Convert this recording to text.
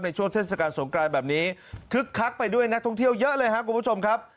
ช่วงเทศกาลสงกรานแบบนี้คึกคักไปด้วยนักท่องเที่ยวเยอะเลยครับคุณผู้ชมครับ